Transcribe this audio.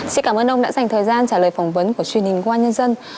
xin cảm ơn ông đã dành thời gian trả lời phỏng vấn của truyền hình công an nhân dân